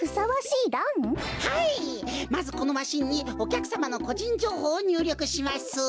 まずこのマシンにおきゃくさまのこじんじょうほうをにゅうりょくします。